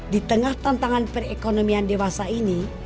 di tengah tantangan perekonomian dewasa ini